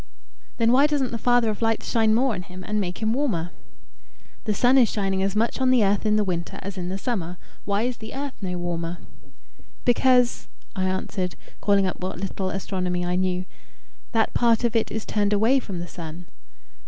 "Then why doesn't the Father of Lights shine more on him and make him warmer?" "The sun is shining as much on the earth in the winter as in the summer: why is the earth no warmer?" "Because," I answered, calling up what little astronomy I knew, "that part of it is turned away from the sun."